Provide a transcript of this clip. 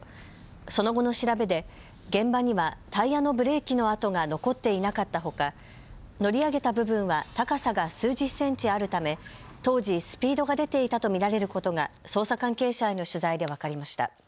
その後の調べで現場にはタイヤのブレーキの跡が残っていなかったほか乗り上げた部分は高さが数十センチあるため当時スピードが出ていたと見られることが捜査関係者への取材で分かりました。